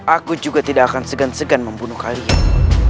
aku juga tidak akan segan segan membunuh kalian